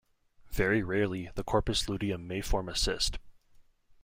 Very rarely, the corpus luteum may form a cyst.